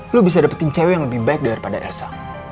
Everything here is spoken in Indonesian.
lo bisa dapetin cewek yang lebih baik daripada elsa